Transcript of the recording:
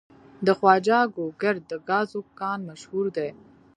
د خواجه ګوګردک د ګازو کان مشهور دی.